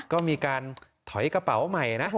ก็มีการถอยกระเป๋าใหม่นะ